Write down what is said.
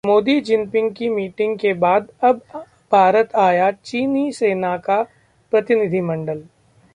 मोदी-जिनपिंग की मीटिंग के बाद अब भारत आया चीनी सेना का प्रतिनिधिमंडल